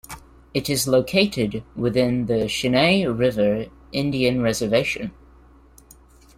It is located within the Cheyenne River Indian Reservation.